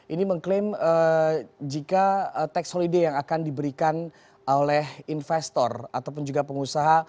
ini mengklaim jika tax holiday yang akan diberikan oleh investor ataupun juga pengusaha